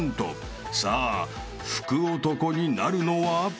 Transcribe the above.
［さあ福男になるのは？］